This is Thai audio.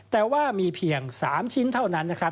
แต่ว่ามีเพียง๓ชิ้นเท่านั้นนะครับ